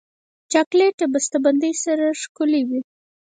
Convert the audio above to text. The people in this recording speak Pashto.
چاکلېټ له بسته بندۍ سره ښکلی وي.